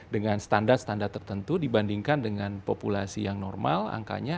dengan standar standar tertentu dibandingkan dengan populasi yang normal angkanya